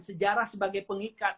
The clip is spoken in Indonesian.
sejarah sebagai pengikat